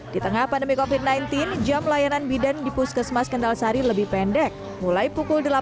di tengah pandemi copy sembilan belas jam layanan bidan di puskesmas kendalsari lebih pendek mulai pukul